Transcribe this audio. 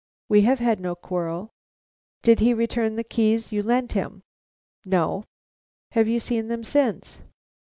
"We have had no quarrel." "Did he return the keys you lent him?" "No." "Have you seen them since?"